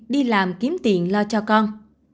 đi làm kiếm tiền lo cho con